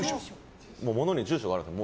ものに住所があるんです。